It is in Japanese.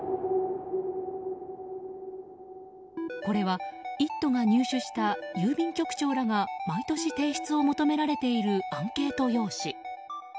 これは「イット！」が入手した郵便局長らが毎年提出を求められているアンケート用紙。